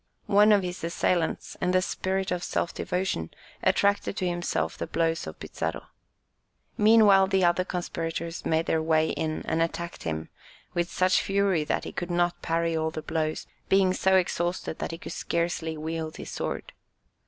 One of his assailants, in a spirit of self devotion, attracted to himself the blows of Pizarro. Meanwhile the other conspirators made their way in and attacked him with such fury that he could not parry all the blows, being so exhausted that he could scarcely wield his sword.